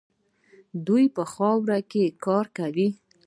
دوی په خاورو کې کار کوي.